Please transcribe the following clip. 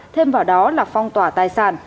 thêm vào đó là phong tỏa tài sản